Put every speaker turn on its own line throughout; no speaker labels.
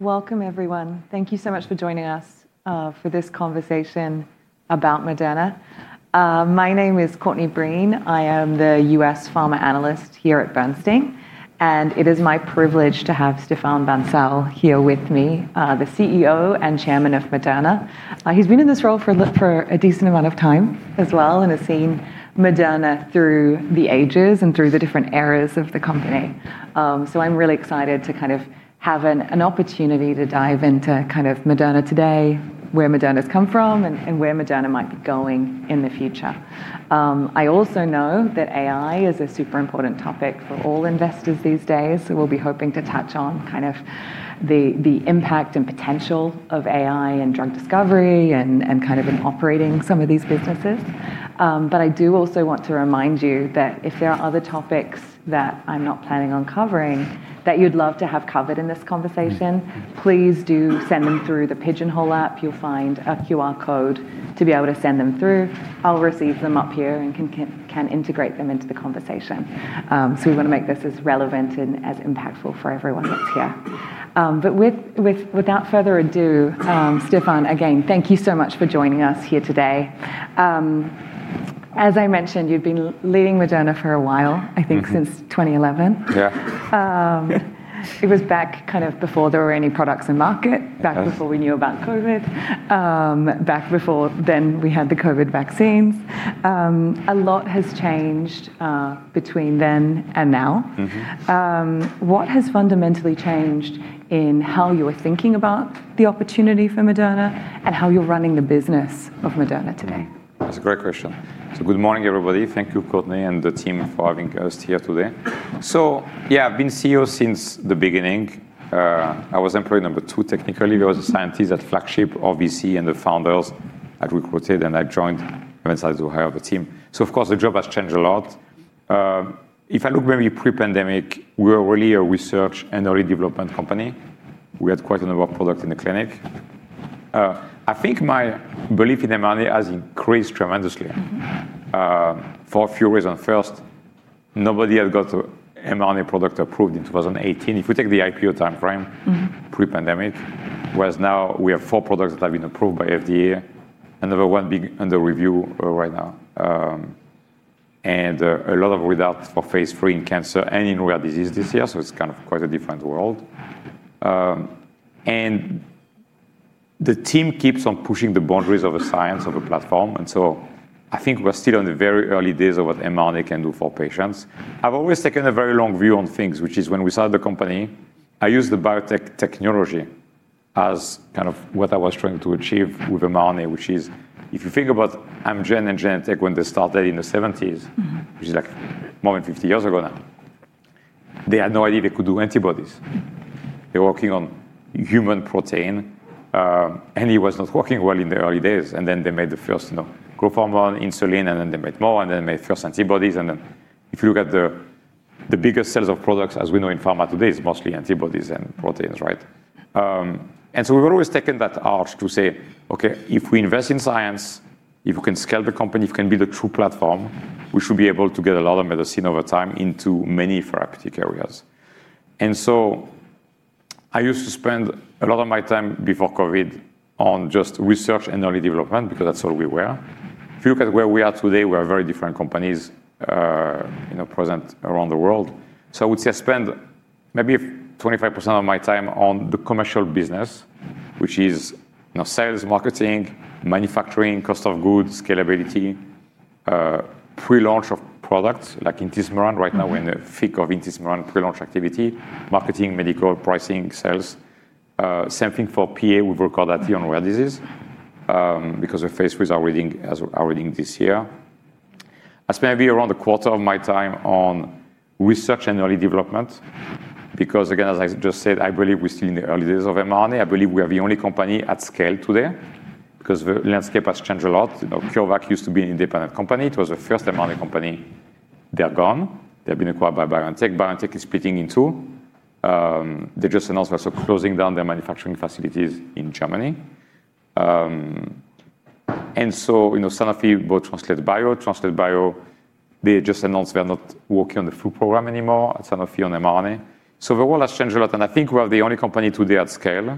Welcome, everyone. Thank you so much for joining us for this conversation about Moderna. My name is Courtney Breen. I am the U.S. pharma analyst here at Bernstein, and it is my privilege to have Stéphane Bancel here with me, the CEO and chairman of Moderna. He's been in this role for a decent amount of time as well and has seen Moderna through the ages and through the different eras of the company. I'm really excited to have an opportunity to dive into Moderna today, where Moderna's come from, and where Moderna might be going in the future. I also know that AI is a super important topic for all investors these days. We'll be hoping to touch on the impact and potential of AI in drug discovery and in operating some of these businesses. I do also want to remind you that if there are other topics that I'm not planning on covering that you'd love to have covered in this conversation, please do send them through the Pigeonhole app. You'll find a QR code to be able to send them through. I'll receive them up here and can integrate them into the conversation. We want to make this as relevant and as impactful for everyone that's here. Without further ado, Stéphane, again, thank you so much for joining us here today. As I mentioned, you've been leading Moderna for a while. I think since 2011.
Yeah.
It was back before there were any products in market.
Yes
back before we knew about COVID, back before then we had the COVID vaccines. A lot has changed between then and now. What has fundamentally changed in how you're thinking about the opportunity for Moderna and how you're running the business of Moderna today?
That's a great question. Good morning, everybody. Thank you, Courtney and the team, for having us here today. Yeah, I've been CEO since the beginning. I was employee number two, technically. There was a scientist at Flagship, RVC, and the founders I'd recruited, and I joined and then started to hire the team. Of course, the job has changed a lot. If I look very pre-pandemic, we were really a research and early development company. We had quite a number of products in the clinic. I think my belief in mRNA has increased tremendously- for a few reasons. First, nobody had got an mRNA product approved in 2018. If we take the IPO timeframe. pre-pandemic, whereas now we have four products that have been approved by FDA, another one being under review right now. A lot of readouts for phase III in cancer and in rare diseases this year, so it's quite a different world. The team keeps on pushing the boundaries of the science of the platform. I think we're still in the very early days of what mRNA can do for patients. I've always taken a very long view on things, which is when we started the company, I used the biotech technology as what I was trying to achieve with mRNA, which is if you think about Amgen and Genentech when they started in the 1970s. which is more than 50 years ago now, they had no idea they could do antibodies. They were working on human protein, it was not working well in the early days, then they made the first growth hormone, insulin, then they made more, then they made first antibodies. If you look at the biggest sales of products, as we know in pharma today, it's mostly antibodies than proteins, right? We've always taken that arc to say, Okay, if we invest in science, if we can scale the company, if we can build a true platform, we should be able to get a lot of medicine over time into many therapeutic areas. I used to spend a lot of my time before COVID on just research and early development because that's all we were. If you look at where we are today, we are very different companies present around the world. I would say I spend maybe 25% of my time on the commercial business, which is sales, marketing, manufacturing, cost of goods, scalability, pre-launch of products like intismeran. Right now we're in the thick of intismeran pre-launch activity, marketing, medical, pricing, sales. Same thing for PA. We've recorded that on rare disease because the phase III is reading this year. I spend maybe around a quarter of my time on research and early development because, again, as I just said, I believe we're still in the early days of mRNA. I believe we are the only company at scale today because the landscape has changed a lot. CureVac used to be an independent company. It was the first mRNA company. They are gone. They've been acquired by BioNTech. BioNTech is splitting in two. They just announced they're also closing down their manufacturing facilities in Germany. Sanofi bought Translate Bio. Translate Bio, they just announced they are not working on the flu program anymore at Sanofi on mRNA. The world has changed a lot, and I think we are the only company today at scale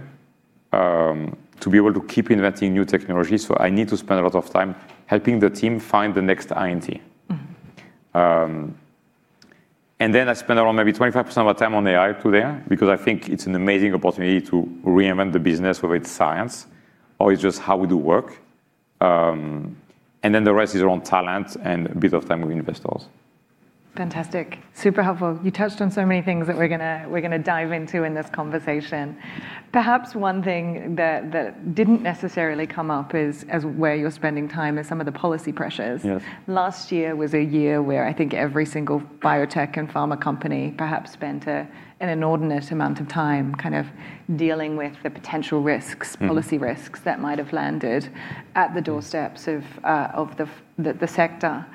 to be able to keep inventing new technologies. I need to spend a lot of time helping the team find the next INT. I spend around maybe 25% of my time on AI today because I think it's an amazing opportunity to reinvent the business, whether it's science or it's just how we do work. The rest is around talent and a bit of time with investors.
Fantastic. Super helpful. You touched on so many things that we're going to dive into in this conversation. Perhaps one thing that didn't necessarily come up is as where you're spending time is some of the policy pressures.
Yes.
Last year was a year where I think every single biotech and pharma company perhaps spent an inordinate amount of time kind of dealing with the potential risks. policy risks that might have landed at the doorsteps of the sector.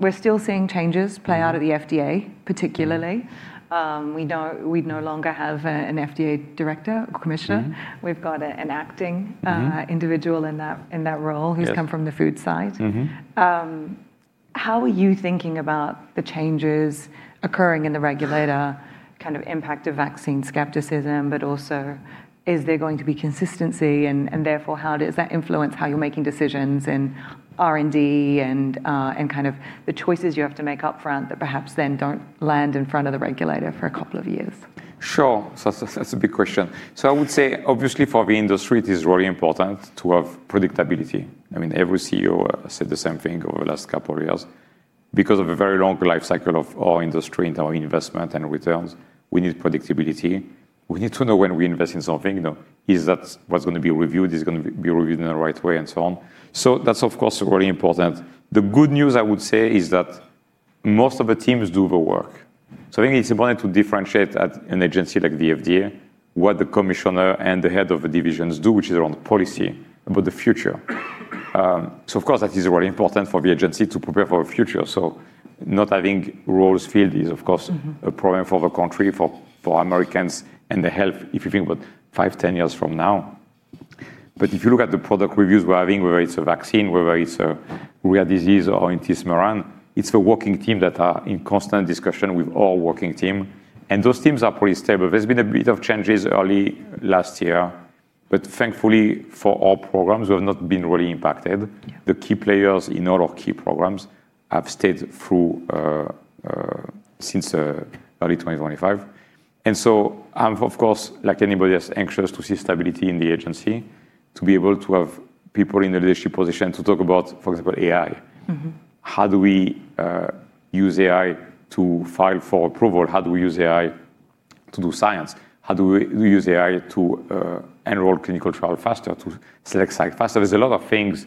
We're still seeing changes play out at the FDA particularly. We no longer have an FDA director or commissioner. We've got an acting- individual in that role.
Yes
who's come from the food side. How are you thinking about the changes occurring in the regulator, kind of impact of vaccine skepticism, but also is there going to be consistency and therefore how does that influence how you're making decisions in R&D and the choices you have to make upfront that perhaps then don't land in front of the regulator for a couple of years?
That's a big question. I would say obviously for the industry it is really important to have predictability. Every CEO said the same thing over the last couple of years. Because of a very long lifecycle of our industry into our investment and returns, we need predictability. We need to know when we invest in something, is that what's going to be reviewed, is it going to be reviewed in the right way, and so on. That's of course, really important. The good news, I would say, is that most of the teams do the work. I think it's important to differentiate at an agency like the FDA, what the Commissioner and the Head of the Divisions do, which is around policy about the future. Of course, that is really important for the agency to prepare for a future. Not having roles filled is, of course. a problem for the country, for Americans, and their health, if you think about five, 10 years from now. If you look at the product reviews we're having, whether it's a vaccine, whether it's a rare disease or intismeran, it's the working team that are in constant discussion with all working team, and those teams are pretty stable. There's been a bit of changes early last year, but thankfully for our programs, we have not been really impacted.
Yeah.
The key players in all our key programs have stayed through, since early 2025. I'm, of course, like anybody else anxious to see stability in the agency, to be able to have people in a leadership position to talk about, for example, AI. How do we use AI to file for approval? How do we use AI to do science? How do we use AI to enroll clinical trial faster, to select site faster? There's a lot of things.
Yeah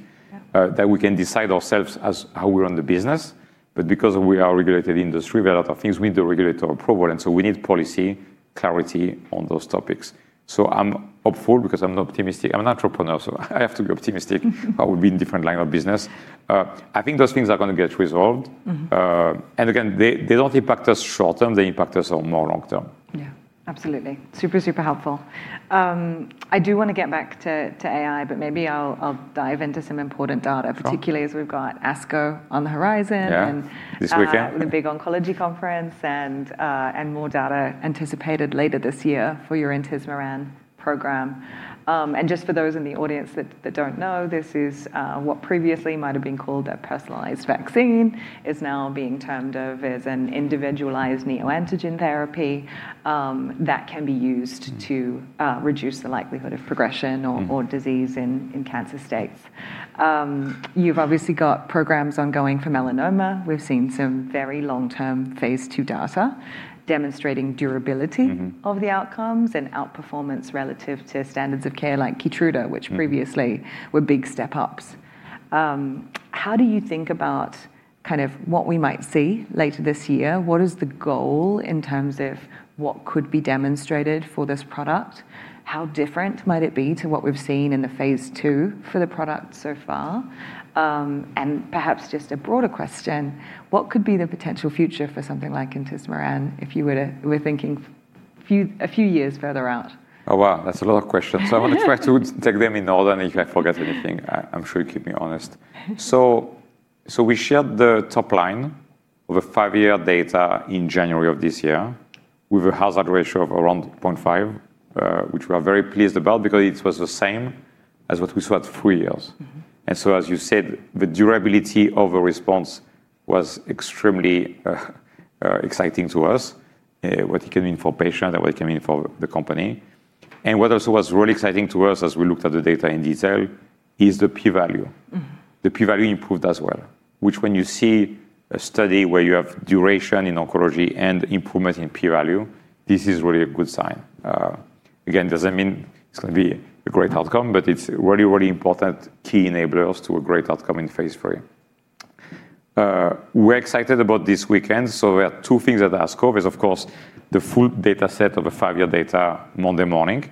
that we can decide ourselves as how we run the business. Because we are a regulated industry, there are a lot of things we need the regulator approval. We need policy clarity on those topics. I'm hopeful because I'm optimistic. I'm an entrepreneur, I have to be optimistic. I would be in different line of business. I think those things are going to get resolved. Again, they don't impact us short term, they impact us on more long term.
Yeah, absolutely. Super helpful. I do want to get back to AI, maybe I'll dive into some important data.
Sure
Particularly as we've got ASCO on the horizon.
Yeah. This weekend
The big oncology conference and more data anticipated later this year for your intismeran program. Just for those in the audience that don't know, this is what previously might've been called a personalized vaccine, is now being termed as an individualized neoantigen therapy, that can be used to reduce the likelihood of progression or disease in cancer states. You've obviously got programs ongoing for melanoma. We've seen some very long-term phase II data demonstrating durability- of the outcomes and outperformance relative to standards of care like KEYTRUDA, which previously were big step-ups. How do you think about what we might see later this year? What is the goal in terms of what could be demonstrated for this product? How different might it be to what we've seen in the phase II for the product so far? Perhaps just a broader question, what could be the potential future for something like intismeran if you were thinking a few years further out?
Oh, wow. That's a lot of questions. I want to try to take them in order, and if I forget anything, I'm sure you'll keep me honest. We shared the top line of a five-year data in January of this year with a hazard ratio of around 0.5, which we are very pleased about because it was the same as what we saw at three years. As you said, the durability of a response was extremely exciting to us, what it can mean for patient and what it can mean for the company. What also was really exciting to us as we looked at the data in detail is the P value. The P value improved as well, which when you see a study where you have duration in oncology and improvement in P value, this is really a good sign. It doesn't mean it's going to be a great outcome, but it's really, really important key enablers to a great outcome in phase III. We're excited about this weekend. We have two things at ASCO. There's, of course, the full data set of a five-year data Monday morning,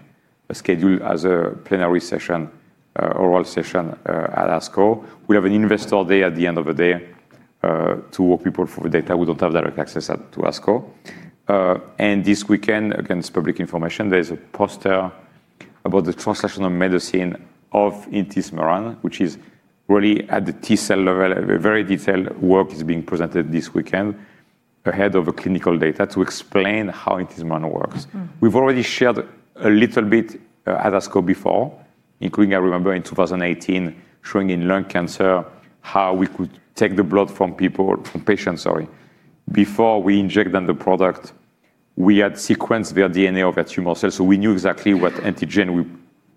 scheduled as a plenary session, oral session, at ASCO. We have an investor day at the end of the day to walk people through the data who don't have direct access to ASCO. This weekend, again, it's public information, there's a poster about the translational medicine of intismeran, which is really at the T-cell level. A very detailed work is being presented this weekend ahead of the clinical data to explain how intismeran works. We've already shared a little bit at ASCO before, including, I remember in 2018, showing in lung cancer how we could take the blood from people, from patients, sorry. Before we inject them the product, we had sequenced their DNA of their tumor cells, so we knew exactly what antigen we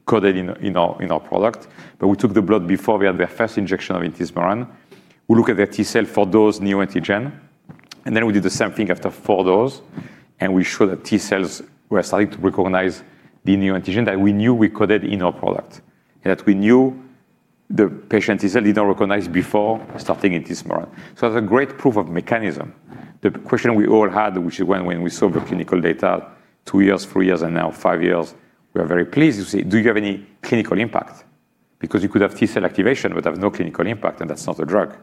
coded in our product. We took the blood before we had their first injection of intismeran. We look at their T-cell for those neoantigen, and then we did the same thing after four dose, and we show that T-cells were starting to recognize the neoantigen that we knew we coded in our product, and that we knew the patient T-cell did not recognize before starting intismeran. It was a great proof of mechanism. The question we all had, which is when we saw the clinical data two years, three years, and now five years, we are very pleased to see, do you have any clinical impact? You could have T-cell activation, but have no clinical impact, and that's not a drug.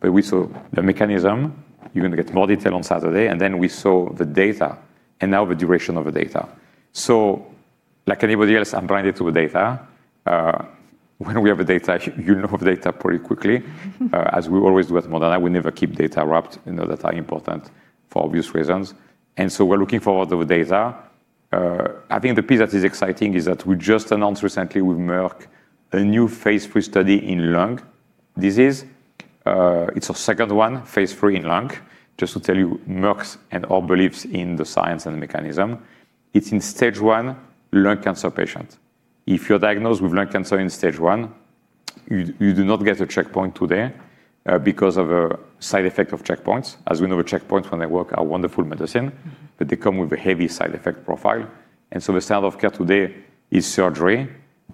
We saw the mechanism. You're going to get more detail on Saturday, then we saw the data, now the duration of the data. Like anybody else, I'm blinded to the data. When we have data, you know of data pretty quickly, as we always do at Moderna. We never keep data wrapped in the data important for obvious reasons, we're looking for the data. I think the piece that is exciting is that we just announced recently with Merck a new phase III study in lung disease. It's our second one, phase III in lung. Just to tell you, Merck and all believes in the science and the mechanism. It's in stage 1 lung cancer patient. If you're diagnosed with lung cancer in stage 1, you do not get a checkpoint today because of a side effect of checkpoints. As we know, checkpoints, when they work, are wonderful medicine, but they come with a heavy side effect profile. The standard of care today is surgery,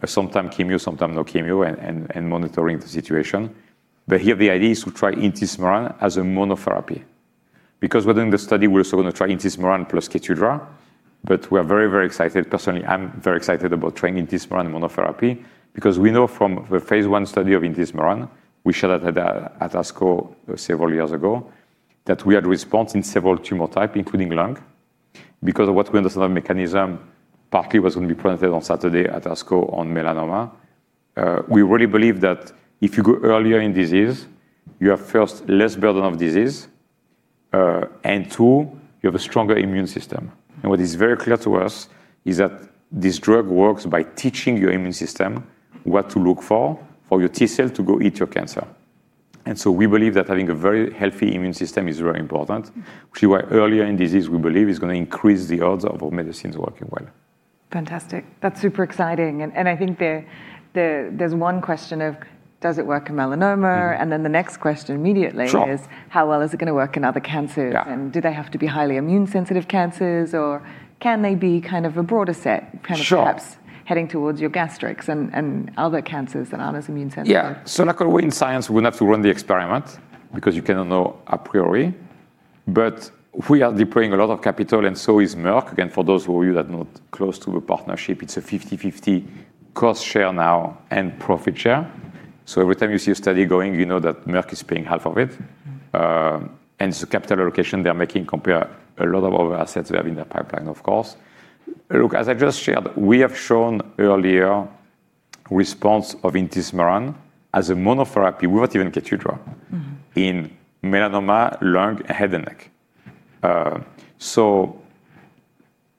sometimes chemo, sometimes no chemo, and monitoring the situation. Here the idea is to try intismeran as a monotherapy. Within the study we're also going to try intismeran plus KEYTRUDA. We are very excited. Personally, I'm very excited about trying intismeran monotherapy, because we know from the phase I study of intismeran, we showed that at ASCO several years ago, that we had response in several tumor type, including lung. Because of what we understand the mechanism partly was going to be presented on Saturday at ASCO on melanoma. We really believe that if you go earlier in disease, you have, first, less burden of disease, and two, you have a stronger immune system. What is very clear to us is that this drug works by teaching your immune system what to look for your T-cell to go eat your cancer. We believe that having a very healthy immune system is very important, which is why earlier in disease, we believe is going to increase the odds of our medicines working well.
Fantastic. That's super exciting. I think there's one question of does it work in melanoma? The next question immediately.
Sure
is how well is it going to work in other cancers?
Yeah.
Do they have to be highly immune sensitive cancers, or can they be kind of a broader set?
Sure
kind of perhaps heading towards your gastrics and other cancers that aren't as immune sensitive?
Yeah. Like we in science, we have to run the experiment because you cannot know a priori. We are deploying a lot of capital, and so is Merck. Again, for those of you that are not close to the partnership, it's a 50/50 cost share now and profit share. Every time you see a study going, you know that Merck is paying half of it. It's a capital allocation they're making compare a lot of other assets they have in their pipeline, of course. Look, as I just shared, we have shown earlier response of intismeran as a monotherapy without even KEYTRUDA. in melanoma, lung, head and neck.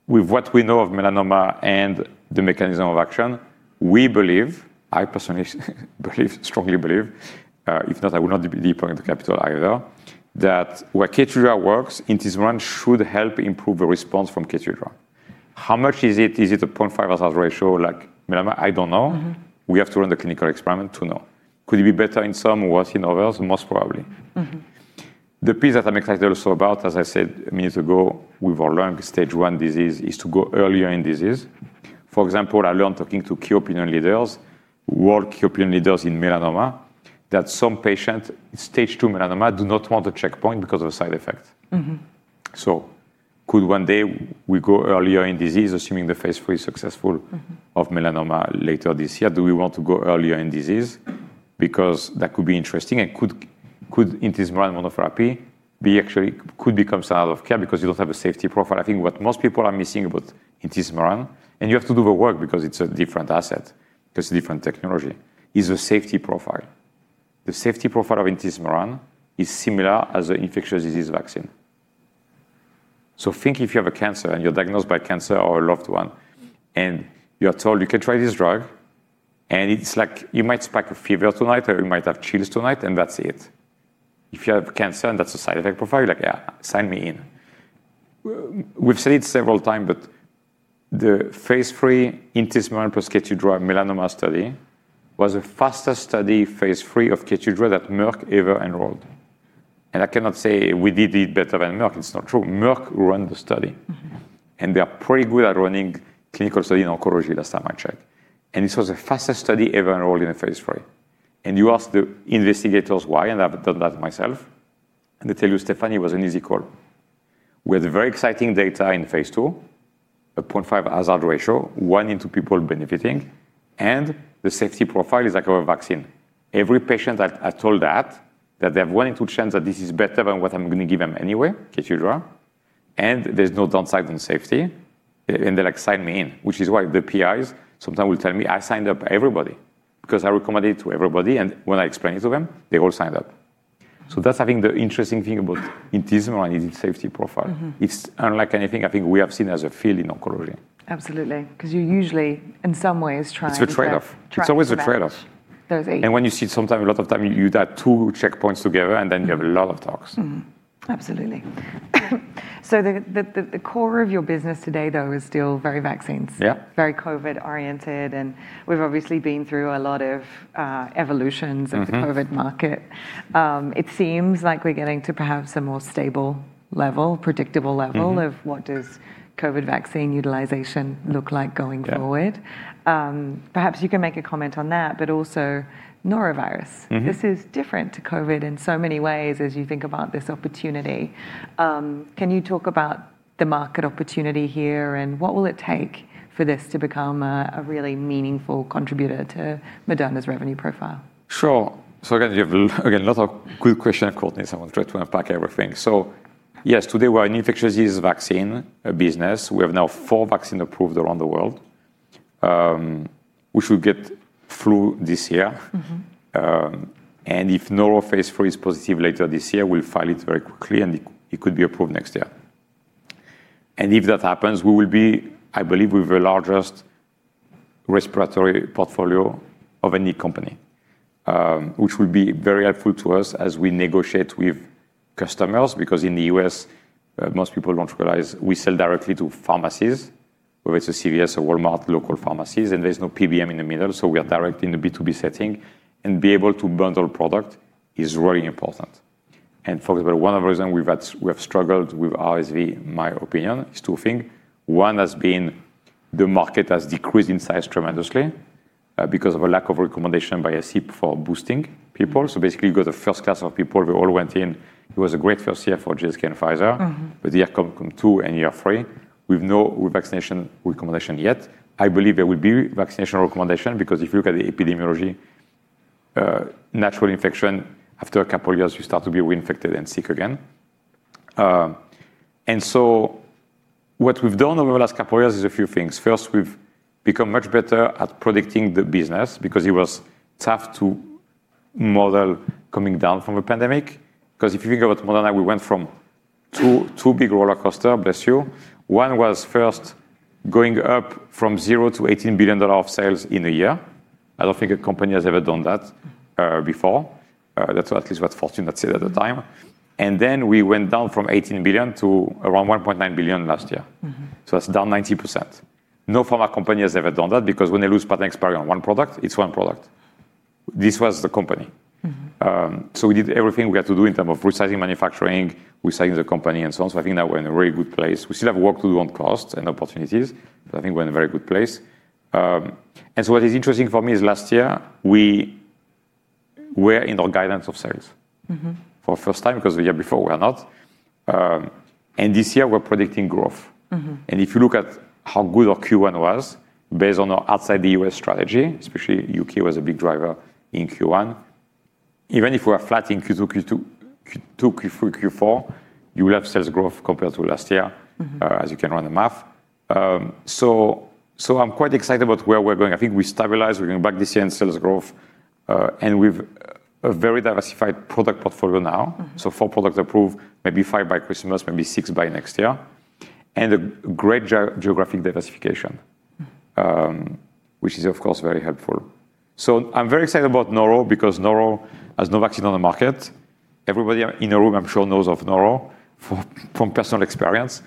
With what we know of melanoma and the mechanism of action, we believe, I personally believe, strongly believe, if not, I would not be deploying the capital either, that where KEYTRUDA works, intismeran should help improve the response from KEYTRUDA. How much is it? Is it a 0.5 hazard ratio like melanoma? I don't know. We have to run the clinical experiment to know. Could it be better in some, worse in others? Most probably. The piece that I'm excited also about, as I said minutes ago, with our lung stage 1 disease, is to go earlier in disease. For example, I learned talking to key opinion leaders, world key opinion leaders in melanoma, that some patient stage 2 melanoma do not want a checkpoint because of side effects. Could one day we go earlier in disease, assuming the phase III is successful. of melanoma later this year? Do we want to go earlier in disease? Because that could be interesting, and could intismeran monotherapy actually become standard of care because you don't have a safety profile. I think what most people are missing about intismeran, and you have to do the work because it's a different asset, because a different technology, is the safety profile. The safety profile of intismeran is similar as an infectious disease vaccine. So think if you have a cancer and you're diagnosed by cancer or a loved one, and you are told you can try this drug, and it's like you might spike a fever tonight, or you might have chills tonight, and that's it. If you have cancer and that's a side effect profile, you're like, Yeah, sign me in. We've said it several times, but the phase III intismeran plus KEYTRUDA melanoma study was the fastest study, phase III of KEYTRUDA, that Merck ever enrolled. I cannot say we did it better than Merck. It's not true. Merck ran the study. They are pretty good at running clinical study in oncology last time I checked. This was the fastest study ever enrolled in a phase III. You ask the investigators why, and I've done that myself, and they tell you, Stéphane Bancel, it was an easy call. We had very exciting data in phase II, a 0.5 hazard ratio, one in two people benefiting, and the safety profile is like our vaccine. Every patient I told that they have one in two chance that this is better than what I'm going to give them anyway, KEYTRUDA, and there's no downside on safety, and they're like, Sign me in. Which is why the PIs sometimes will tell me, I signed up everybody because I recommend it to everybody, and when I explain it to them, they all signed up. That's I think the interesting thing about intismeran is its safety profile. It's unlike anything I think we have seen as a field in oncology.
Absolutely. You're usually in some ways trying to-
It's a trade-off.
track and match.
It's always a trade-off.
Those eight.
When you see sometime, a lot of time, you add two checkpoints together, and then you have a lot of tox.
Mm-hmm. Absolutely. The core of your business today, though, is still very vaccines.
Yeah.
Very COVID oriented, we've obviously been through a lot of evolutions. of the COVID market. It seems like we're getting to perhaps a more stable level, predictable level. of what does COVID vaccine utilization look like going forward?
Yeah.
Perhaps you can make a comment on that, but also norovirus. This is different to COVID in so many ways as you think about this opportunity. Can you talk about the market opportunity here, and what will it take for this to become a really meaningful contributor to Moderna's revenue profile?
Sure. Again, you have, again, lot of good question, Courtney, I want try to unpack everything. Yes. Today, we're an infectious disease vaccine business. We have now four vaccine approved around the world. We should get flu this year. If norovirus phase III is positive later this year, we'll file it very quickly. It could be approved next year. If that happens, we will be, I believe, we're the largest respiratory portfolio of any company, which will be very helpful to us as we negotiate with customers. In the U.S., most people don't realize we sell directly to pharmacies, whether it's a CVS, a Walmart, local pharmacies, and there's no PBM in the middle, so we are direct in the B2B setting, and be able to bundle product is really important. For example, one of the reason we have struggled with RSV, in my opinion, is two thing. One has been the market has decreased in size tremendously, because of a lack of recommendation by ACIP for boosting people. Basically, you got the first class of people who all went in, it was a great first year for GSK and Pfizer. Year two and year three, we've no vaccination recommendation yet. I believe there will be vaccination recommendation because if you look at the epidemiology, natural infection, after a couple years, you start to be reinfected and sick again. What we've done over the last couple years is a few things. First, we've become much better at predicting the business because it was tough to model coming down from a pandemic. If you think about Moderna, we went from two big rollercoaster. Bless you. One was first going up from zero to $18 billion of sales in a year. I don't think a company has ever done that before. That's at least what Fortune had said at the time. We went down from $18 billion to around $1.9 billion last year. That's down 90%. No pharma company has ever done that because when they lose patent expiry on one product, it's one product. This was the company. We did everything we had to do in terms of resizing manufacturing, resetting the company, and so on. I think now we're in a very good place. We still have work to do on costs and opportunities, but I think we're in a very good place. What is interesting for me is last year we were in our guidance of. for the first time, because the year before we were not. This year we're predicting growth. If you look at how good our Q1 was, based on our outside the U.S. strategy, especially U.K. was a big driver in Q1. Even if we are flat in Q2, Q3, Q4, you will have sales growth compared to last year. as you can run the math. I'm quite excited about where we're going. I think we stabilize, we're going back this year in sales growth, and we've a very diversified product portfolio now. Four products approved, maybe five by Christmas, maybe six by next year, and a great geographic diversification. which is of course very helpful. I'm very excited about norovirus because norovirus has no vaccine on the market. Everybody in the room, I'm sure knows of norovirus from personal experience.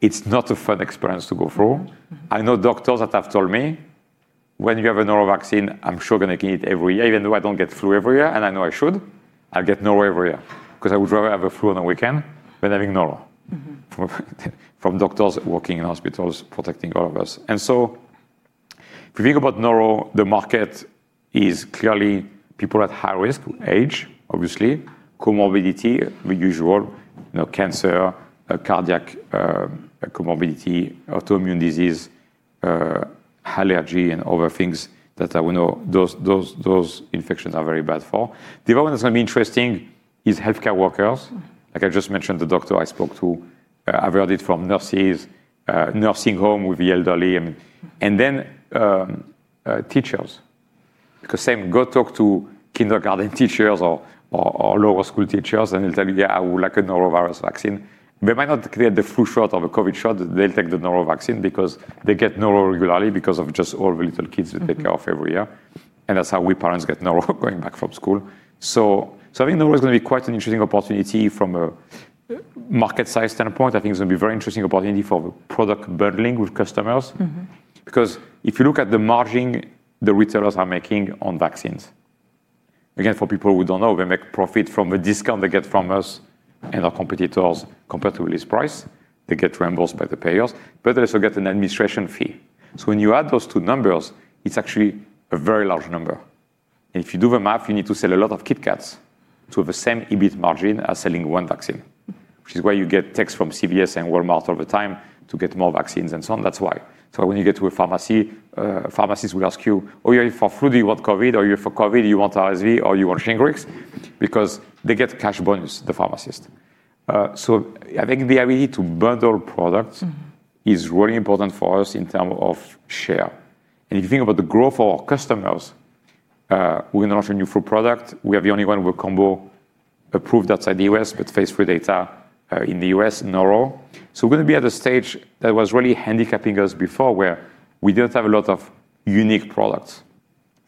It's not a fun experience to go through. I know doctors that have told me, When we have a norovirus vaccine, I'm sure going to get it every year, even though I don't get flu every year, and I know I should. I'll get norovirus every year, because I would rather have a flu on a weekend than having norovirus. From doctors working in hospitals, protecting all of us. If you think about norovirus, the market is clearly people at high risk. Age, obviously, comorbidity, the usual, cancer, cardiac comorbidity, autoimmune disease, allergy, and other things that we know those infections are very bad for. The other one that's going to be interesting is healthcare workers. Like I just mentioned, the doctor I spoke to, I've heard it from nurses, nursing home with the elderly, and then teachers. Same, go talk to kindergarten teachers or lower school teachers, and they'll tell you, Yeah, I would like a norovirus vaccine. They might not get the flu shot or a COVID shot, but they'll take the norovirus vaccine because they get norovirus regularly because of just all the little kids they take care of every year, and that's how we parents get norovirus going back from school. I think norovirus is going to be quite an interesting opportunity from a market size standpoint. I think it's going to be a very interesting opportunity for product bundling with customers. If you look at the margin the retailers are making on vaccines, again, for people who don't know, they make profit from a discount they get from us and our competitors compared to list price. They get reimbursed by the payers, they also get an administration fee. When you add those two numbers, it's actually a very large number. If you do the math, you need to sell a lot of Kit Kat to have the same EBIT margin as selling one vaccine, which is why you get texts from CVS and Walmart all the time to get more vaccines and so on. That's why. When you get to a pharmacy, pharmacists will ask you, Oh, you're here for flu. Do you want COVID? Are you here for COVID? Do you want RSV? You want SHINGRIX? They get cash bonus, the pharmacist. I think the ability to bundle products- is really important for us in term of share. If you think about the growth of our customers, we're going to launch a new flu product. We are the only one with combo approved outside the U.S., but phase III data in the U.S. norovirus. We're going to be at a stage that was really handicapping us before, where we didn't have a lot of unique products.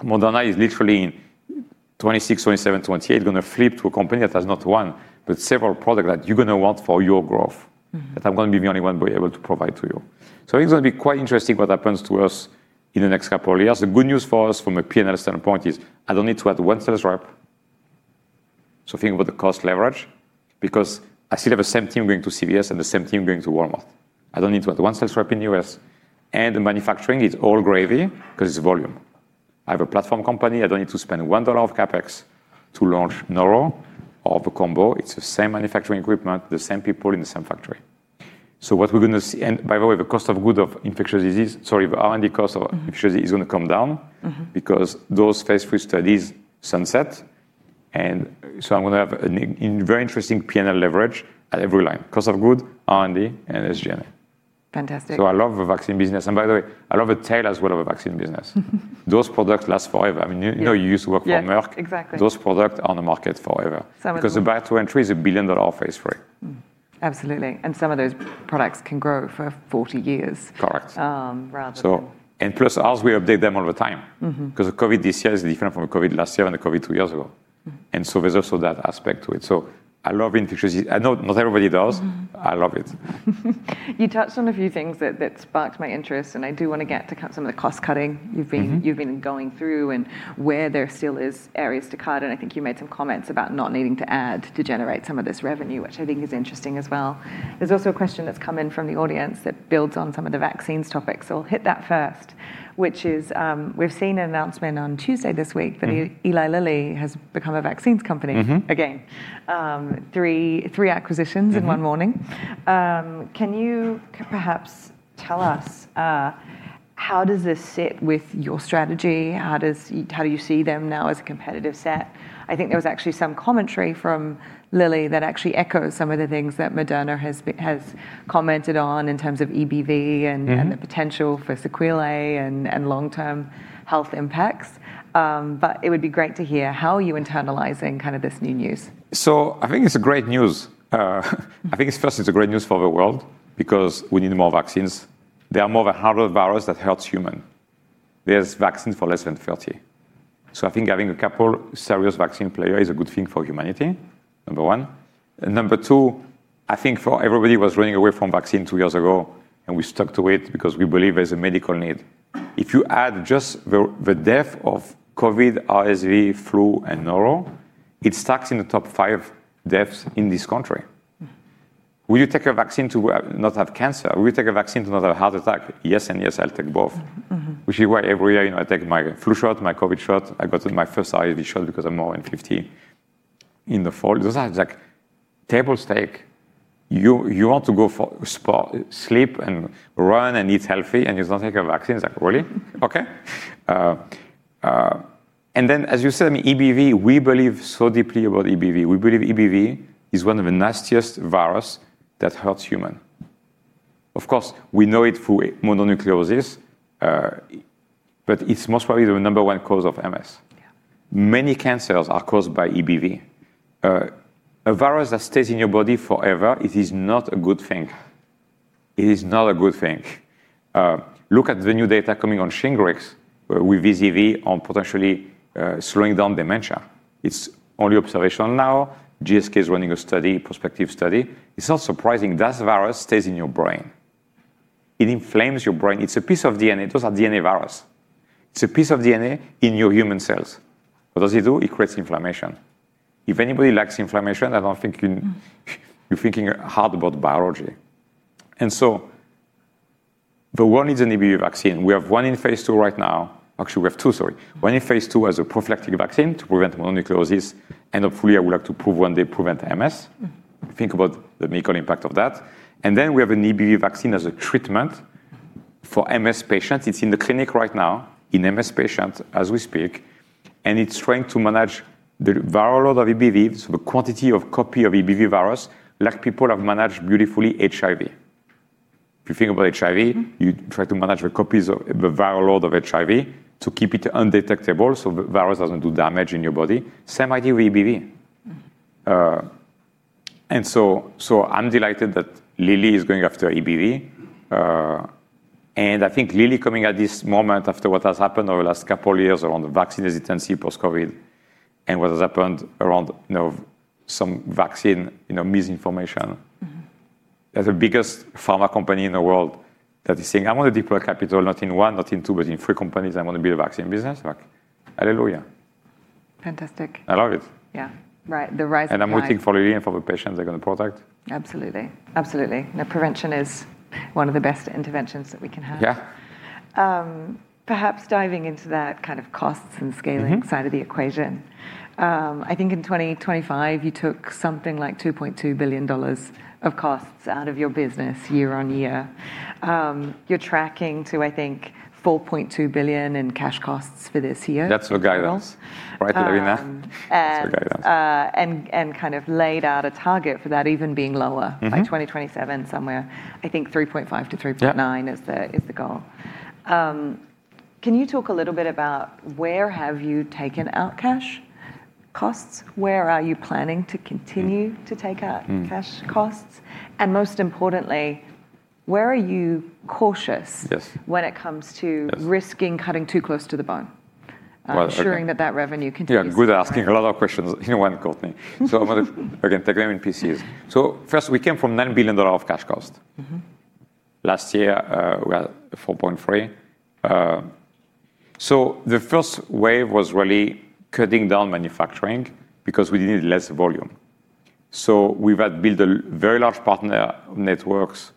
Moderna is literally in 2026, 2027, 2028, going to flip to a company that has not one, but several product that you're going to want for your growth- that I'm going to be the only one able to provide to you. It's going to be quite interesting what happens to us in the next couple years. The good news for us from a P&L standpoint is I don't need to add one sales rep, so think about the cost leverage, because I still have the same team going to CVS and the same team going to Walmart. I don't need to add one sales rep in the U.S., and the manufacturing is all gravy because it's volume. I have a platform company. I don't need to spend $1 of CapEx to launch norovirus or the combo. It's the same manufacturing equipment, the same people in the same factory. What we're going to see, and by the way, the cost of goods of infectious disease, sorry, the R&D cost of infectious disease is going to come down. because those phase III studies sunset. I'm going to have a very interesting P&L leverage at every line. Cost of goods, R&D, and SG&A.
Fantastic.
I love the vaccine business. By the way, I love the tail as well of a vaccine business. Those products last forever. I mean, you know, you used to work for Merck.
Yes, exactly.
Those products are on the market forever.
Some of them-
The barrier to entry is a billion-dollar phase III.
Absolutely, some of those products can grow for 40 years.
Correct
um, rather than-
Plus as we update them all the time. The COVID this year is different from the COVID last year and the COVID two years ago. There's also that aspect to it. I love infectious disease. I know not everybody does. I love it.
You touched on a few things that sparked my interest, and I do want to get to kind of some of the cost-cutting. you've been going through and where there still is areas to cut. I think you made some comments about not needing to add to generate some of this revenue, which I think is interesting as well. There's also a question that's come in from the audience that builds on some of the vaccines topic. I'll hit that first, which is, we've seen an announcement on Tuesday this week. that Eli Lilly has become a vaccines company. again. three acquisitions in one morning. Can you perhaps tell us, how does this sit with your strategy? How do you see them now as a competitive set? I think there was actually some commentary from Lilly that actually echoes some of the things that Moderna has commented on in terms of EBV. and the potential for sequelae and long-term health impacts. It would be great to hear how are you internalizing kind of this new news?
I think it's first, great news for the world because we need more vaccines. There are more than 100 virus that hurts human. There's vaccines for less than 30. I think having a couple serious vaccine player is a good thing for humanity, number one. Number two, I think for everybody was running away from vaccine two years ago, and we stuck to it because we believe there's a medical need. If you add just the death of COVID, RSV, flu, and norovirus, it stacks in the top five deaths in this country. Will you take a vaccine to not have cancer? Will you take a vaccine to not have a heart attack? Yes and yes, I'll take both. Which is why every year, you know, I take my flu shot, my COVID shot. I got my first RSV shot because I'm more than 50 in the fall. Those are like table stake. You want to go for sport, sleep and run and eat healthy, and you don't take a vaccine. It's like, really? Okay. Then, as you said, I mean, EBV, we believe so deeply about EBV. We believe EBV is one of the nastiest virus that hurts human. Of course, we know it through mononucleosis, but it's most probably the number one cause of MS.
Yeah.
Many cancers are caused by EBV. A virus that stays in your body forever, it is not a good thing. It is not a good thing. Look at the new data coming on SHINGRIX with VZV on potentially slowing down dementia. It's only observational now. GSK is running a study, prospective study. It's not surprising. That virus stays in your brain. It inflames your brain. It's a piece of DNA. Those are DNA virus. It's a piece of DNA in your human cells. What does it do? It creates inflammation. If anybody likes inflammation, I don't think you. you're thinking hard about biology. The world needs an EBV vaccine. We have one in phase II right now. Actually, we have two, sorry. One in phase II as a prophylactic vaccine to prevent mononucleosis, and hopefully, I would like to prove one day prevent MS. Think about the medical impact of that. We have an EBV vaccine as a treatment for MS patients. It's in the clinic right now in MS patients as we speak, and it's trying to manage the viral load of EBV, so the quantity of copy of EBV virus, like people have managed beautifully HIV. If you think about HIV- You try to manage the copies of the viral load of HIV to keep it undetectable so the virus doesn't do damage in your body. Same idea with EBV. I'm delighted that Lilly is going after EBV. I think Lilly coming at this moment after what has happened over the last couple of years around vaccine hesitancy post-COVID, and what has happened around, you know, some vaccine, you know, misinformation. As the biggest pharma company in the world that is saying, I want to deploy capital, not in one, not in two, but in three companies. I want to build a vaccine business. Like, hallelujah.
Fantastic.
I love it.
Yeah. Right.
I'm rooting for Lilly and for the patients they're going to protect.
Absolutely. Absolutely. You know, prevention is one of the best interventions that we can have.
Yeah.
Perhaps diving into that kind of costs and scaling- side of the equation. I think in 2025, you took something like $2.2 billion of costs out of your business year-over-year. You're tracking to, I think, $4.2 billion in cash costs for this year.
That's the guidance.
Right.
Right, that we announced. That's the guidance.
kind of laid out a target for that even being lower- by 2027, somewhere, I think, $3.5-$3.9-
Yeah
is the goal. Can you talk a little bit about where have you taken out cash costs? Where are you planning to? to take out cash costs? Most importantly, where are you cautious?
Yes
when it comes to-
Yes
risking cutting too close to the bone?
Well, okay.
Ensuring that that revenue continues.
Yeah, good asking a lot of questions in one, Courtney. I'm going to, again, take them in pieces. First, we came from $9 billion of cash cost. Last year, we had $4.3. The first wave was really cutting down manufacturing because we needed less volume. We had built a very large partner networks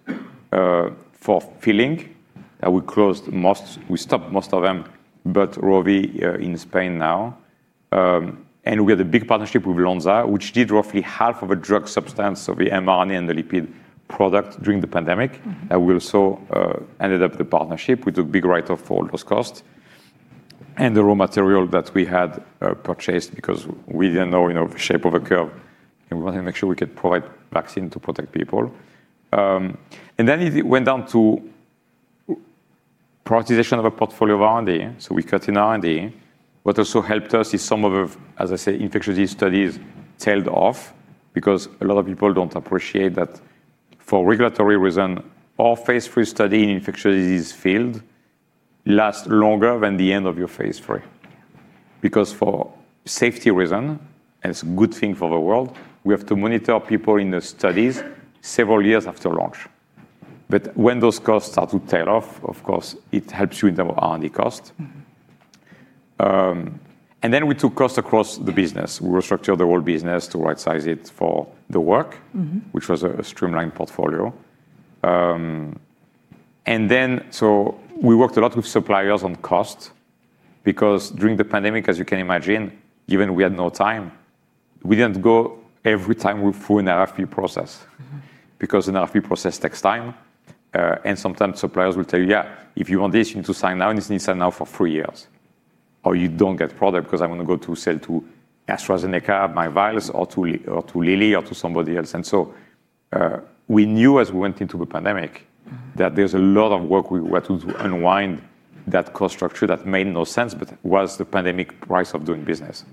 for filling, and we stopped most of them, but Rovi in Spain now. We had a big partnership with Lonza, which did roughly half of the drug substance of the mRNA and the lipid product during the pandemic. We also ended up the partnership with a big write-off for all those costs and the raw material that we had purchased because we didn't know the shape of a curve, and we wanted to make sure we could provide vaccine to protect people. It went down to prioritization of our portfolio R&D, so we cut in R&D. What also helped us is some of infectious disease studies tailed off because a lot of people don't appreciate that for regulatory reason, all phase III study in infectious disease field lasts longer than the end of your phase III. For safety reason, and it's a good thing for the world, we have to monitor people in the studies several years after launch. When those costs start to tail off, of course, it helps you in terms of R&D cost. We took costs across the business. We restructured the whole business to right-size it for the work which was a streamlined portfolio. We worked a lot with suppliers on cost because during the pandemic, as you can imagine, even we had no time, we didn't go every time through an RFP process because an RFP process takes time. Sometimes suppliers will tell you, Yeah, if you want this, you need to sign now, and it's signed now for three years, or you don't get product because I'm going to go to sell to AstraZeneca, my vials, or to Lilly or to somebody else. We knew as we went into the pandemic that there's a lot of work we were to unwind that cost structure that made no sense, but was the pandemic price of doing business.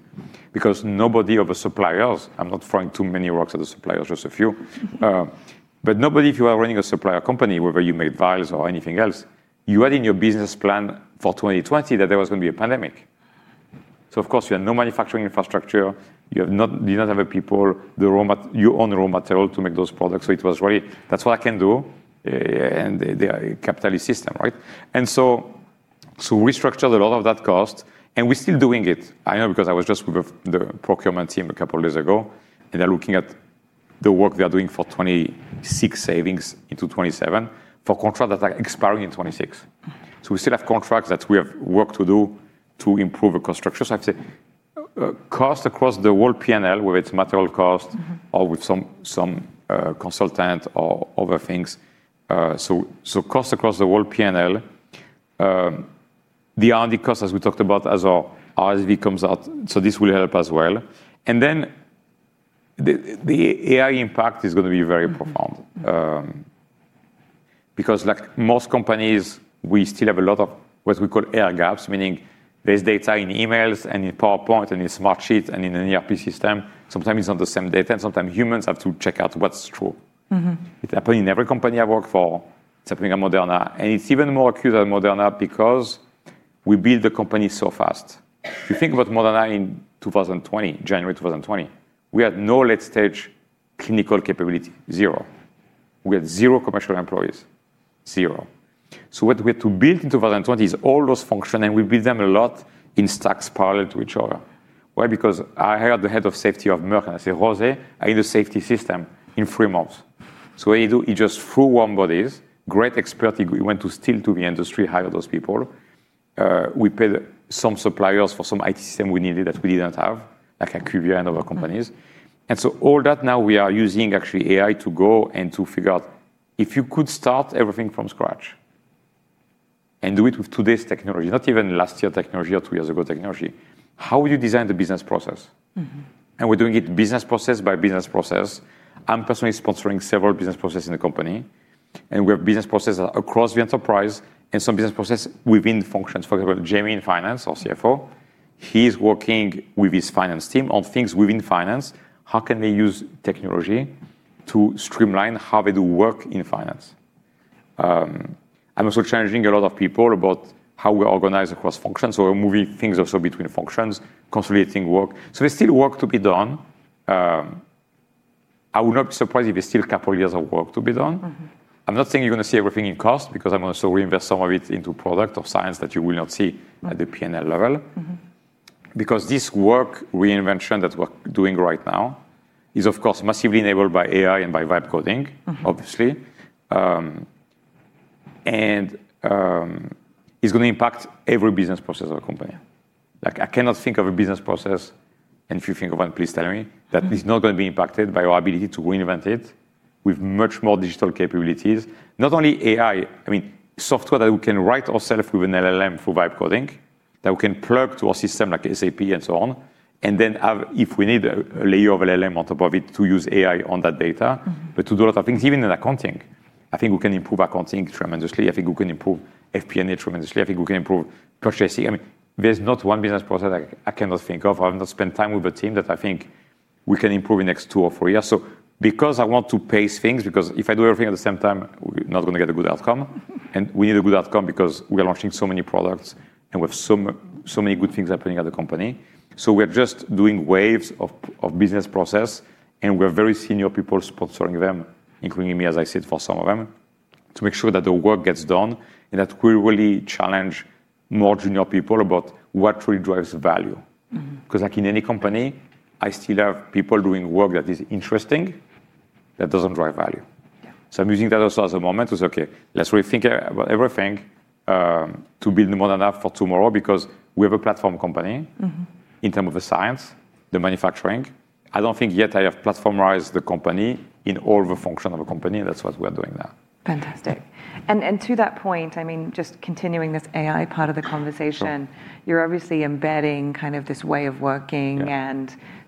Nobody of the suppliers, I'm not throwing too many rocks at the suppliers, just a few. Nobody, if you are running a supplier company, whether you make vials or anything else, you had in your business plan for 2020 that there was going to be a pandemic. Of course, you had no manufacturing infrastructure, you did not have people, you own the raw material to make those products. It was really, That's what I can do," and the capitalist system, right? We restructured a lot of that cost, and we're still doing it. I know because I was just with the procurement team a couple of days ago, and they're looking at the work they are doing for 2026 savings into 2027 for contracts that are expiring in 2026. We still have contracts that we have work to do to improve the cost structure. I'd say cost across the whole P&L, whether it's material cost or with some consultant or other things. Cost across the whole P&L. The R&D cost, as we talked about, as our RSV comes out, this will help as well. The AI impact is going to be very profound. Because like most companies, we still have a lot of what we call AI gaps, meaning there's data in emails and in PowerPoint and in Smartsheet and in an ERP system. Sometimes it's not the same data. Sometimes humans have to check out what's true. It happened in every company I've worked for. It's happening at Moderna. It's even more acute at Moderna because we built the company so fast. If you think about Moderna in 2020, January 2020, we had no late-stage clinical capability, zero. We had zero commercial employees, zero. What we had to build in 2020 is all those function. We build them a lot in stacks parallel to each other. Why? I hired the head of safety of Merck, and I said, Jose, I need a safety system in three months. What he did, he just threw warm bodies, great expertise. We went to steal to the industry, hire those people. We paid some suppliers for some IT system we needed that we didn't have, like IQVIA and other companies. All that now we are using actually AI to go and to figure out, if you could start everything from scratch and do it with today's technology, not even last year technology or two years ago technology, how would you design the business process? We're doing it business process by business process. I'm personally sponsoring several business processes in the company, and we have business processes across the enterprise and some business process within functions. For example, Jamey in finance or CFO, he's working with his finance team on things within finance. How can they use technology to streamline how they do work in finance? I'm also challenging a lot of people about how we organize across functions. We're moving things also between functions, consolidating work. There's still work to be done. I would not be surprised if there's still a couple years of work to be done. I'm not saying you're going to see everything in cost because I'm going to still reinvest some of it into product or science that you will not see at the P&L level. This work reinvention that we're doing right now is, of course, massively enabled by AI and by vibe coding, obviously. It's going to impact every business process of the company. I cannot think of a business process, and if you think of one, please tell me, that is not going to be impacted by our ability to reinvent it with much more digital capabilities. Not only AI, I mean, software that we can write ourself with an LLM through vibe coding, that we can plug to our system like SAP and so on, and then have, if we need a layer of LLM on top of it, to use AI on that data, but to do a lot of things, even in accounting. I think we can improve accounting tremendously. I think we can improve FP&A tremendously. I think we can improve purchasing. There's not one business process I cannot think of or I've not spent time with a team that I think we can improve in the next two or three years. Because I want to pace things, because if I do everything at the same time, we're not going to get a good outcome. We need a good outcome because we are launching so many products, and we have so many good things happening at the company. We're just doing waves of business process, and we have very senior people sponsoring them, including me, as I said, for some of them, to make sure that the work gets done and that we really challenge more junior people about what really drives value. Like in any company, I still have people doing work that is interesting that doesn't drive value.
Yeah.
I'm using that also as a moment to say, okay, let's rethink about everything to build Moderna for tomorrow, because we have a platform company- in terms of the science, the manufacturing. I don't think yet I have platformized the company in all the functions of a company. That's what we are doing now.
Fantastic. To that point, just continuing this AI part of the conversation-
Sure
You're obviously embedding this way of working.
Yeah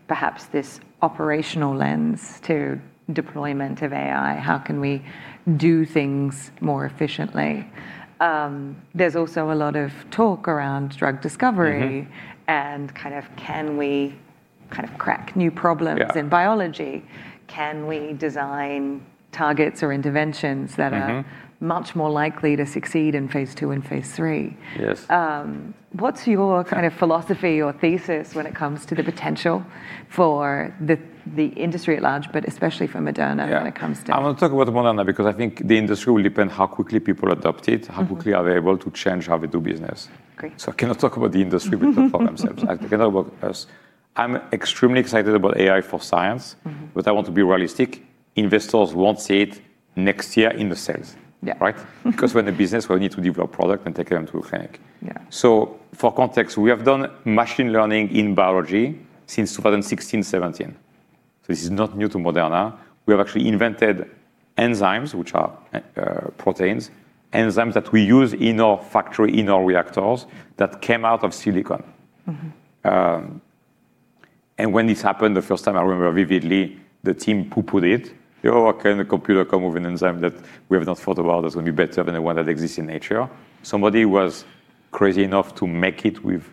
Perhaps this operational lens to deployment of AI. How can we do things more efficiently? There's also a lot of talk around drug discovery. Can we crack new problems in biology?
Yeah.
Can we design targets or interventions that are- much more likely to succeed in phase II and phase III?
Yes.
What's your kind of philosophy or thesis when it comes to the potential for the industry at large, but especially for Moderna when it comes to-
Yeah. I want to talk about Moderna because I think the industry will depend how quickly people adopt it, how quickly are they able to change how they do business.
Great.
I cannot talk about the industry, but for themselves. I can only talk about us. I'm extremely excited about AI for science. I want to be realistic. Investors won't see it next year in the sales.
Yeah.
Right? Because we're in the business, we need to develop product and take them to clinic.
Yeah.
For context, we have done machine learning in biology since 2016, 2017. This is not new to Moderna. We have actually invented enzymes, which are proteins, enzymes that we use in our factory, in our reactors that came in silico. When this happened the first time, I remember vividly the team who put it. They all work in a computer, come up with an enzyme that we have not thought about that's going to be better than the one that exists in nature. Somebody was crazy enough to make it with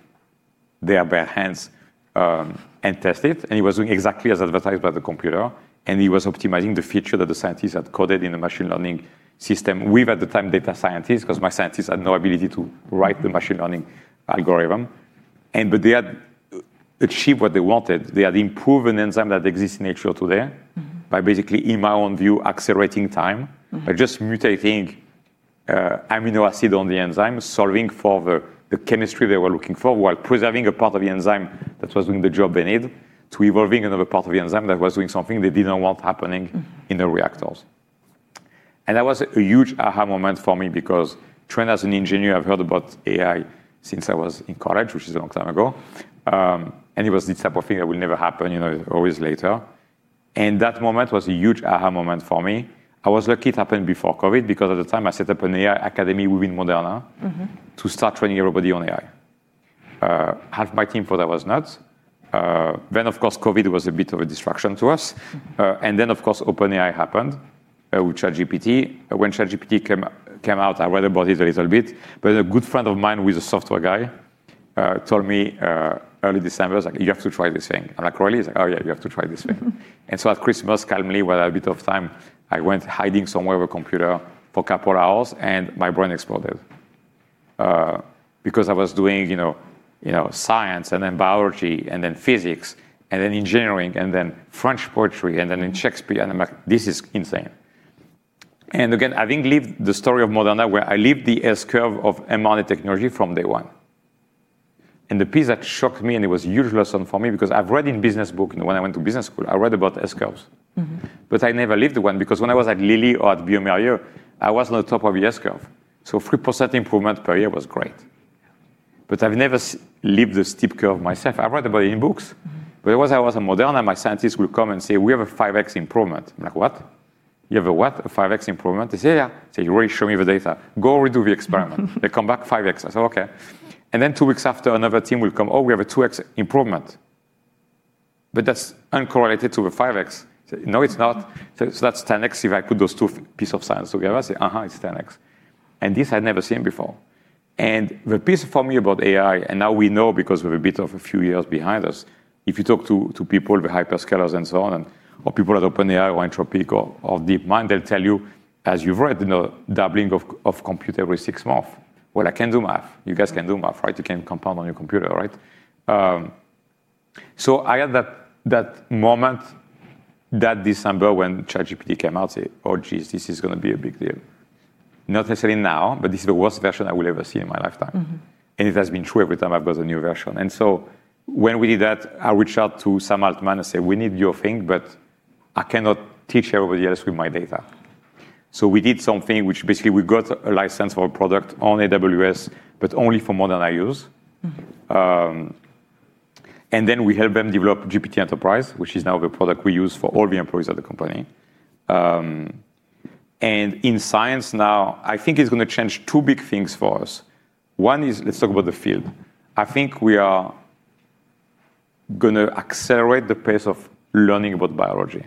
their bare hands and test it. It was doing exactly as advertised by the computer. It was optimizing the feature that the scientists had coded in the machine learning system with, at the time, data scientists, because my scientists had no ability to write the machine learning algorithm. They had achieved what they wanted. They had improved an enzyme that exists in nature to there- by basically, in my own view, accelerating time. By just mutating amino acid on the enzyme, solving for the chemistry they were looking for while preserving a part of the enzyme that was doing the job they need to evolving another part of the enzyme that was doing something they didn't want happening in the reactors. That was a huge aha moment for me because trained as an engineer, I've heard about AI since I was in college, which is a long time ago. It was the type of thing that will never happen, always later. That moment was a huge aha moment for me. I was lucky it happened before COVID, because at the time, I set up an AI academy within Moderna. I started training everybody on AI. Half my team thought I was nuts. Of course, COVID was a bit of a distraction to us. Of course, OpenAI happened with ChatGPT. When ChatGPT came out, I read about it a little bit, but a good friend of mine who is a software guy told me early December, he's like, You have to try this thing. I'm like, Really? He's like, Oh, yeah. You have to try this thing. At Christmas, calmly, with a bit of time, I went hiding somewhere with a computer for a couple hours, and my brain exploded. I was doing science and then biology and then physics and then engineering and then French poetry and then Shakespeare, and I'm like, This is insane. Again, I think the story of Moderna, where I lived the S curve of mRNA technology from day one. The piece that shocked me, and it was a huge lesson for me because I've read in business book, and when I went to business school, I read about S curves. I never lived one because when I was at Lilly or at bioMérieux, I was on the top of the S curve. 3% improvement per year was great. I've never lived the steep curve myself. I read about it in books. I was at Moderna, my scientists would come and say, We have a 5x improvement. I'm like, What? You have a what? A 5x improvement? They say, Yeah. I say, You already show me the data. Go redo the experiment. They come back, 5x. I say, Okay. Then two weeks after, another team will come, Oh, we have a 2x improvement, but that's uncorrelated to the 5x. Say, No, it's not. Say, That's 10x if I put those two piece of science together. I say, Uh-huh, it's 10x. This I'd never seen before. The piece for me about AI, now we know because we have a bit of a few years behind us, if you talk to people, the hyperscalers and so on, or people at OpenAI or Anthropic or DeepMind, they'll tell you, as you've read, the doubling of compute every six month. Well, I can do math. You guys can do math, right? You can compound on your computer, right? I had that moment that December when ChatGPT came out, say, Oh, geez, this is going to be a big deal. Not necessarily now, but this is the worst version I will ever see in my lifetime. It has been true every time I've got a new version. When we did that, I reached out to Sam Altman and said, We need your thing, but I cannot teach everybody else with my data. We did something, which basically we got a license for a product on AWS, but only for Moderna use. We helped them develop ChatGPT Enterprise, which is now the product we use for all the employees of the company. In science now, I think it's going to change two big things for us. One is let's talk about the field. I think we are going to accelerate the pace of learning about biology.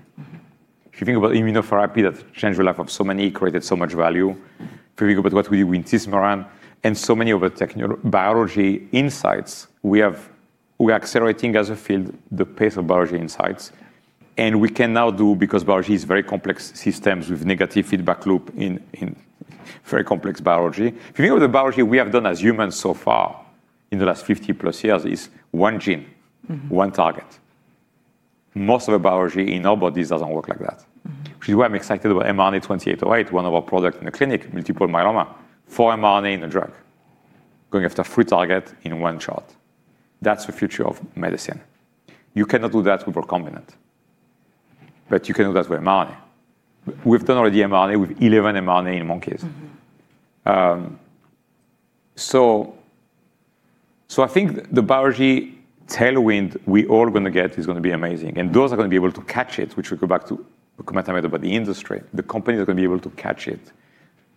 If you think about immunotherapy, that's changed the life of so many, created so much value. If you think about what we do in tisagenlecleucel and so many of the biology insights we have, we're accelerating as a field the pace of biology insights. We can now do, because biology is very complex systems with negative feedback loop in very complex biology. If you think about the biology we have done as humans so far in the last 50+ years is one gene- one target. Most of the biology in our bodies doesn't work like that. Which is why I'm excited about mRNA-2808, one of our products in the clinic, multiple myeloma, four mRNA in a drug. Going after three targets in one shot. That's the future of medicine. You cannot do that with recombinant, you can do that with mRNA. We've done already mRNA with 11 mRNA in monkeys. I think the biology tailwind we're all going to get is going to be amazing. Those are going to be able to catch it, which will go back to the comment I made about the industry. The companies are going to be able to catch it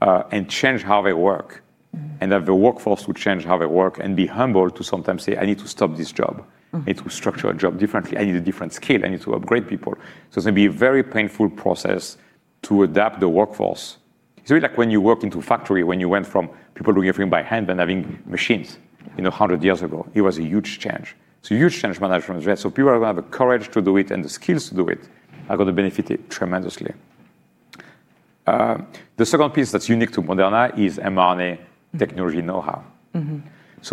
and change how they work. That the workforce will change how they work and be humble to sometimes say, I need to stop this job. I need to structure a job differently. I need a different skill. I need to upgrade people. It's going to be a very painful process to adapt the workforce. It's a bit like when you work into a factory, when you went from people doing everything by hand, then having machines 100 years ago. It was a huge change. It's a huge change management. People who are going to have the courage to do it and the skills to do it are going to benefit tremendously. The second piece that's unique to Moderna is mRNA technology know-how.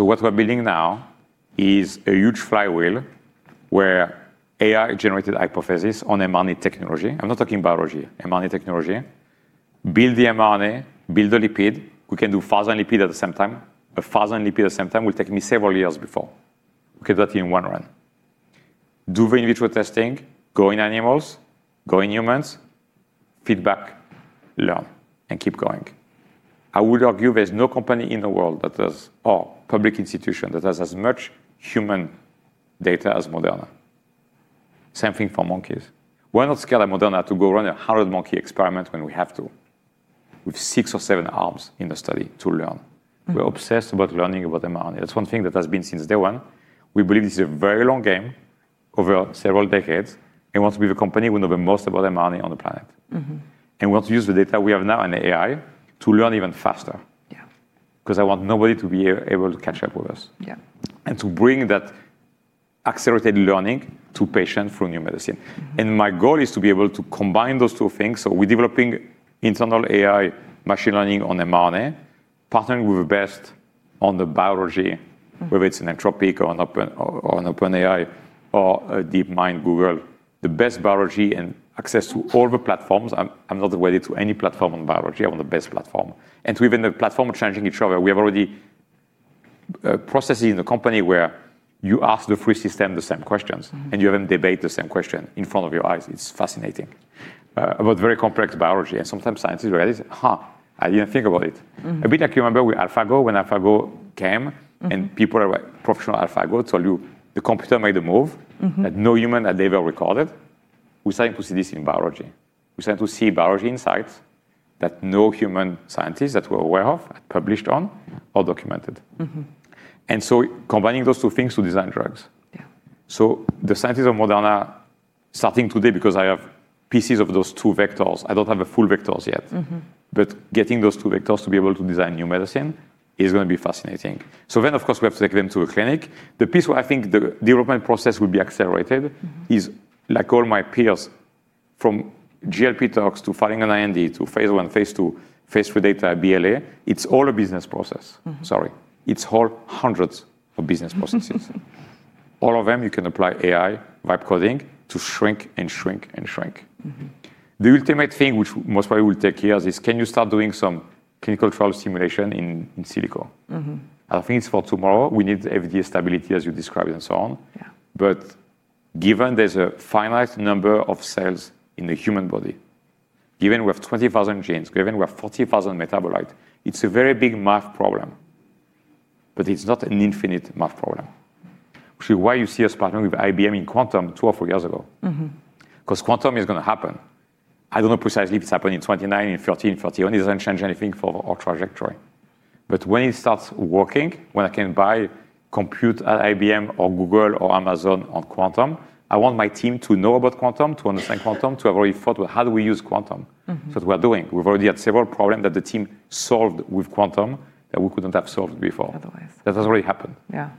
What we're building now is a huge flywheel where AI-generated hypothesis on mRNA technology, I'm not talking biology, mRNA technology, build the mRNA, build the lipid. We can do 1,000 lipid at the same time. 1,000 lipid at the same time will take me several years before. We get that in one run. Do the in-vitro testing, go in animals, go in humans, feedback, learn, and keep going. I would argue there's no company in the world or public institution that has as much human data as Moderna. Same thing for monkeys. We're not scared at Moderna to go run 100 monkey experiment when we have to, with six or seven arms in the study to learn. We're obsessed about learning about mRNA. That's one thing that has been since day one. We believe this is a very long game over several decades, and want to be the company who know the most about mRNA on the planet. We want to use the data we have now in AI to learn even faster.
Yeah.
I want nobody to be able to catch up with us.
Yeah.
to bring that accelerated learning to patients through new medicine. My goal is to be able to combine those two things. We're developing internal AI machine learning on mRNA, partnering with the best on the biology. whether it's in Anthropic or on OpenAI, or DeepMind, Google, the best biology and access to all the platforms. I'm not wedded to any platform on biology. I want the best platform. Even the platform are changing each other. We have already processes in the company where you ask the three system the same questions. You have them debate the same question in front of your eyes. It's fascinating. About very complex biology, and sometimes scientists realize, Huh, I didn't think about it. A bit like you remember with AlphaGo, when AlphaGo came- People are like, professional AlphaGo told you the computer made a move. that no human had ever recorded. We're starting to see this in biology. We're starting to see biology insights that no human scientist that we're aware of had published on or documented. Combining those two things to design drugs.
Yeah.
The scientists of Moderna, starting today, because I have pieces of those two vectors, I don't have the full vectors yet. Getting those two vectors to be able to design new medicine is going to be fascinating. Of course, we have to take them to a clinic. The piece where I think the development process will be accelerated. is like all my peers from GLP tox to filing an IND to phase I, phase II, phase III data, BLA, it's all a business process. Sorry. It's all hundreds of business processes. All of them you can apply AI vibe coding to shrink and shrink and shrink. The ultimate thing, which most probably will take years, is can you start doing some clinical trial simulation in silico? I don't think it's for tomorrow. We need FDA stability, as you described, and so on.
Yeah.
Given there's a finite number of cells in the human body, given we have 20,000 genes, given we have 40,000 metabolites, it's a very big math problem, but it's not an infinite math problem. Which is why you see us partnering with IBM in quantum two or three years ago. Quantum is going to happen. I don't know precisely if it's happening in 2029, in 2030, in 2031. It doesn't change anything for our trajectory. When it starts working, when I can buy compute at IBM or Google or Amazon on quantum, I want my team to know about quantum, to understand quantum, to have already thought about how do we use quantum. That's what we are doing. We've already had several problems that the team solved with quantum that we couldn't have solved before.
Otherwise.
That has already happened.
Yeah.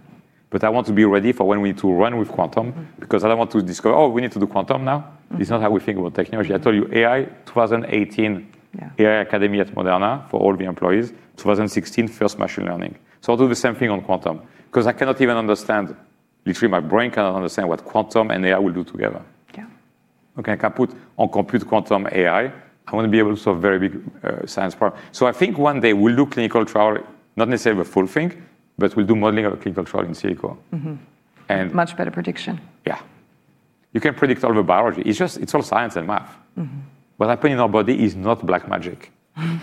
I want to be ready for when we need to run with quantum. I don't want to discover, oh, we need to do quantum now. It's not how we think about technology. I told you, AI 2018.
Yeah
AI academy at Moderna for all the employees. 2016, first machine learning. I'll do the same thing on quantum because I cannot even understand, literally my brain cannot understand what quantum and AI will do together.
Yeah.
Okay. I can put on compute quantum AI. I want to be able to solve very big science problem. I think one day we'll do clinical trial, not necessarily the full thing, but we'll do modeling of a clinical trial in silico. And-
Much better prediction.
Yeah. You can predict all the biology. It's all science and math. What happen in our body is not black magic.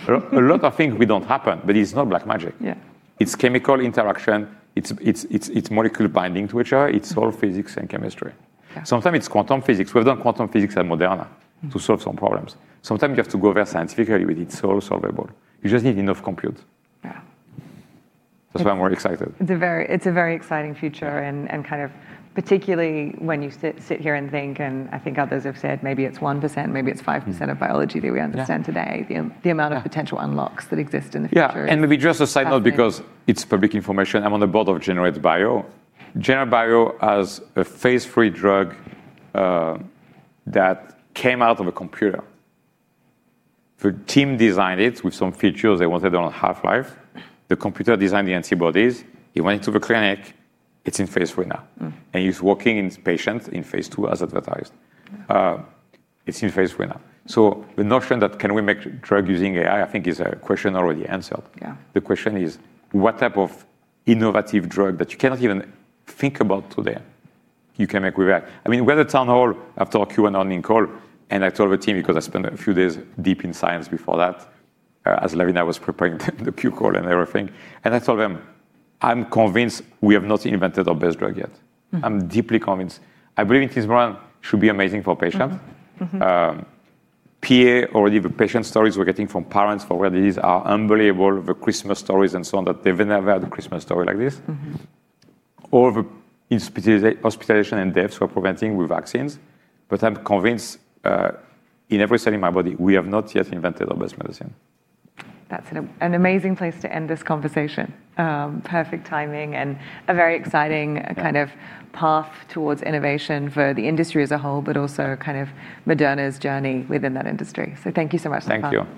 A lot of things we don't happen, it's not black magic.
Yeah.
It's chemical interaction. It's molecule binding to each other. It's all physics and chemistry.
Yeah.
Sometimes it's quantum physics. We've done quantum physics at Moderna. to solve some problems. Sometimes you have to go very scientifically with it. It's all solvable. You just need enough compute.
Yeah.
That's why I'm very excited.
It's a very exciting future.
Yeah
Kind of particularly when you sit here and think, and I think others have said, maybe it's 1%, maybe it's 5% of biology that we understand today.
Yeah.
The amount of potential unlocks that exist in the future.
Yeah. Maybe just a side note.
is fascinating.
because it's public information. I'm on the board of Generate:Biomedicines. Generate:Biomedicines has a phase III drug that came out of a computer. The team designed it with some features they wanted on half-life. The computer designed the antibodies. It went into the clinic. It's in phase III now. It's working in patients in phase II as advertised. It's in phase III now. The notion that can we make drug using AI, I think is a question already answered.
Yeah.
The question is what type of innovative drug that you cannot even think about today you can make with that? We had a town hall after Q&A call, and I told the team because I spent a few days deep in science before that, as Lavina was preparing the Q call and everything, and I told them, "I'm convinced we have not invented our best drug yet. I'm deeply convinced. I believe intismeran should be amazing for patients.
Mm-hmm. Mm-hmm.
PA, already the patient stories we're getting from parents for rare disease are unbelievable. The Christmas stories and so on, that they've never had a Christmas story like this. All the hospitalization and deaths we're preventing with vaccines. I'm convinced, in every cell in my body, we have not yet invented our best medicine.
That's an amazing place to end this conversation. Perfect timing.
Yeah
kind of path towards innovation for the industry as a whole, but also kind of Moderna's journey within that industry. Thank you so much, Stéphane.